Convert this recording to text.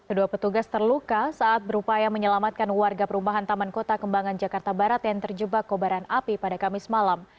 kedua petugas terluka saat berupaya menyelamatkan warga perumahan taman kota kembangan jakarta barat yang terjebak kobaran api pada kamis malam